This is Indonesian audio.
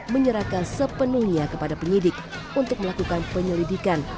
menyerahkan sepenuhnya kepada penyidik untuk melakukan penyelidikan